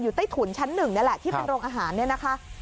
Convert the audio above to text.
อยู่ใต้ถุนชั้น๑เดี๋ยวแหละที่เป็นโรงอาหารนะคะ